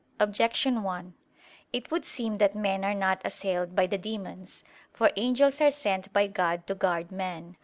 Objection 1: It would seem that men are not assailed by the demons. For angels are sent by God to guard man.